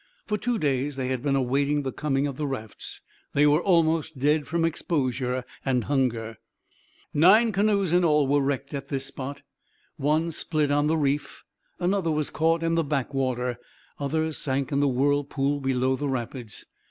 For two days they had been awaiting the coming of the rafts. They were almost dead from exposure and hunger. Nine canoes in all were wrecked at this spot. One split on the reef. Another was caught in the backwater. Others sank in the whirlpool below the rapids.